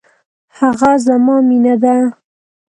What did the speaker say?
هغه زما مینه ده